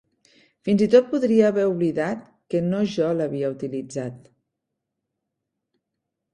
Fins i tot podria haver oblidat que no jo l'havia utilitzat.